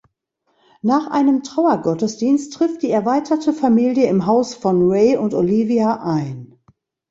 Nach einem Trauergottesdienst trifft die erweiterte Familie im Haus von Ray und Olivia ein.